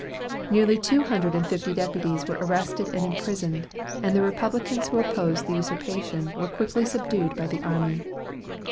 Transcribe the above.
Nearly two hundred and fifty deputies were arrested and imprisoned, and the Republicans who opposed the usurpation were quickly subdued by the army.